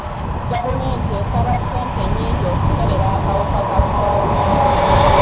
Gavumenti esaba ssente nnyingi okukebera akawuka ka kolona.